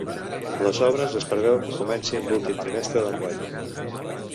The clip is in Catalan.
Les obres es preveu que comencen l’últim trimestre d’enguany.